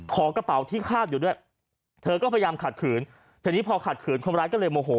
กระเป๋าที่คาดอยู่ด้วยเธอก็พยายามขัดขืนทีนี้พอขัดขืนคนร้ายก็เลยโมโห